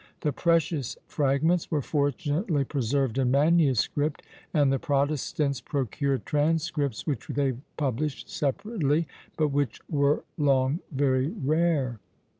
The precious fragments were fortunately preserved in manuscript, and the Protestants procured transcripts which they published separately, but which were long very rare.